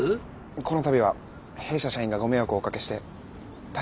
この度は弊社社員がご迷惑をおかけして大変申し訳ありません。